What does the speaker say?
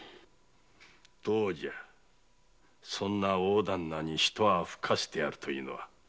どうじゃそんな大旦那にひと泡ふかせてやるというのは。